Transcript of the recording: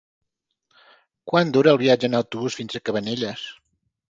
Quant dura el viatge en autobús fins a Cabanelles?